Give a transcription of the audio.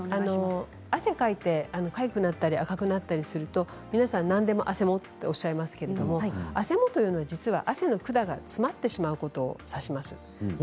汗をかいてかゆくなったり赤くなったりすると皆さん何でもあせもとおっしゃいますがあせもは汗の管が詰まってしまうことを指します。